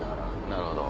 なるほど。